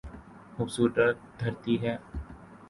خوبصورت دھرتی ہے۔